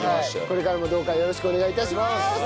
これからもどうかよろしくお願い致します！